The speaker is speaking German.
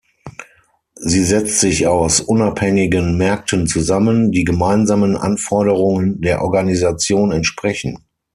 Sie setzt sich aus unabhängigen Märkten zusammen, die gemeinsamen Anforderungen der Organisation entsprechen.